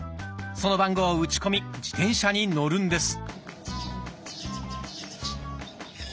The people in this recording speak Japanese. その番号を打ち込み自転車に乗るんです。